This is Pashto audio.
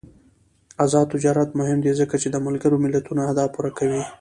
آزاد تجارت مهم دی ځکه چې د ملګرو ملتونو اهداف پوره کوي.